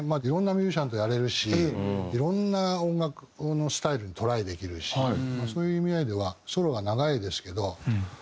いろんなミュージシャンとやれるしいろんな音楽のスタイルにトライできるしそういう意味合いではソロが長いですけど。